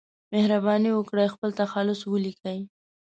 مهرباني وکړئ خپل تخلص ولیکئ